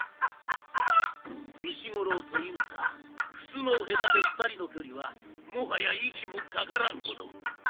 丑五郎と伊牟田ふすまを隔て２人の距離はもはや息もかからんほど。